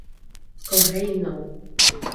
Kohei Inoue